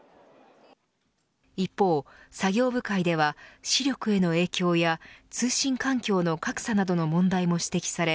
一方、作業部会では視力への影響や通信環境の格差などの問題も指摘され